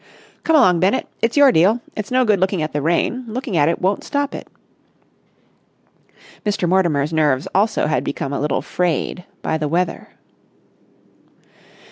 "Come along, Bennett. It's your deal. It's no good looking at the rain. Looking at it won't stop it." Mr. Mortimer's nerves also had become a little frayed by the weather.